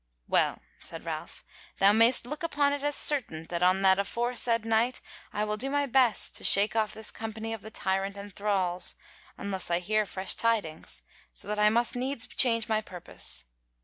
"Well," said Ralph, "Thou mayst look upon it as certain that on that aforesaid night, I will do my best to shake off this company of tyrant and thralls, unless I hear fresh tidings, so that I must needs change my purpose.